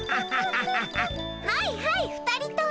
はいはい２人とも。